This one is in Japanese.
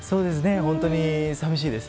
本当に寂しいです。